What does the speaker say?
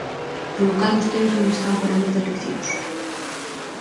Polo cal vostedes non lle están para moitas leccións.